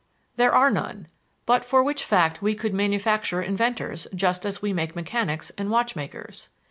There are none; but for which fact we could manufacture inventors just as we make mechanics and watchmakers.